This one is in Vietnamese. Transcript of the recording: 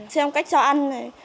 xem cách cho ăn này